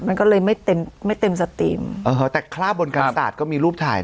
มันก็เลยไม่เต็มไม่เต็มสตรีมเออแต่คราบบนกันศาสตร์ก็มีรูปถ่าย